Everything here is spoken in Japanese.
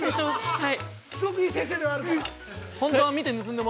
すごくいい先生ではあるから。